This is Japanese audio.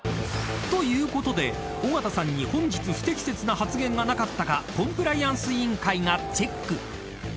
［ということで尾形さんに本日不適切な発言がなかったかコンプライアンス委員会がチェック］